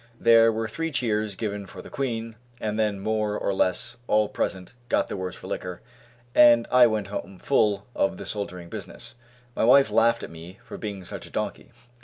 There were three cheers given for the Queen, and then more or less all present got the worse for liquor, and I went home full of the soldiering business. My wife laughed at me for being such a donkey.